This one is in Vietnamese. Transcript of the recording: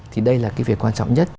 thì đây là cái việc quan trọng nhất